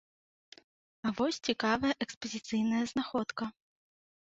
А вось цікавая экспазіцыйная знаходка.